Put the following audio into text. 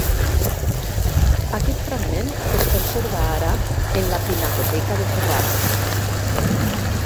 Aquest fragment es conserva ara en la Pinacoteca de Ferrara.